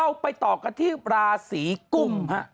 ไปต่อกันที่ราศีกุมฮะ